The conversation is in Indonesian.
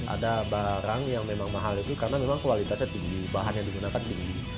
ada barang yang memang mahal itu karena memang kualitasnya tinggi bahan yang digunakan tinggi